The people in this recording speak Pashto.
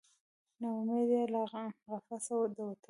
نه امید یې له قفسه د وتلو